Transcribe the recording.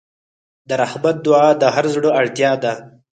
د رحمت دعا د هر زړه اړتیا ده.